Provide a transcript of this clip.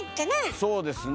そうですね。